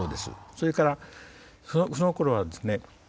それからそのころはですね